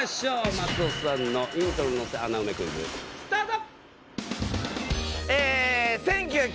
松尾さんのイントロ乗せ穴埋めクイズスタート！